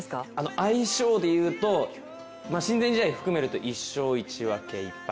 相性で言うと、親善試合を含めると１勝１分け１敗。